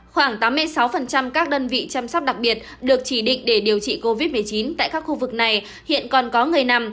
khoảng tám mươi sáu các đơn vị chăm sóc đặc biệt được chỉ định để điều trị covid một mươi chín tại các khu vực này hiện còn có người nằm